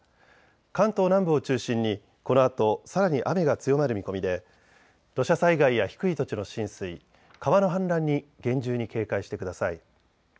関東南部を中心にこのあとさらに雨が強まる見込みで土砂災害や低い土地の浸水、川の氾濫に厳重に警戒してください。